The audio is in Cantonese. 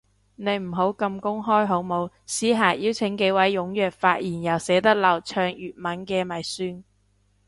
你唔好咁公開好冇，私下邀請幾位踴躍發言又寫到流暢粵文嘅咪算